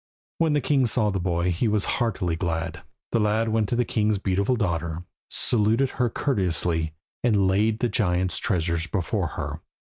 When the king saw the boy he was heartily glad. The lad went to the king's beautiful daughter, saluted her courteously, and laid the giant's treasures before her.